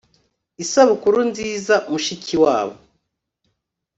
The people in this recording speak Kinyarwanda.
Isabukuru nziza Mushikiwabo